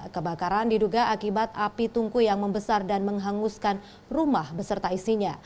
kebakaran diduga akibat api tungku yang membesar dan menghanguskan rumah beserta isinya